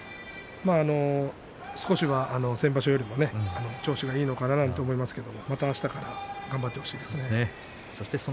少しは先場所よりも調子がいいのかなと思いますがまたあしたから頑張ってほしいと思います。